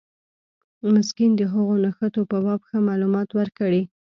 مسکین د هغو نښتو په باب ښه معلومات ورکړي.